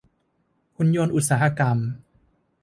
หุ่นยนต์อุตสาหกรรม